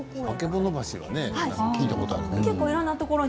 曙橋は聞いたことある。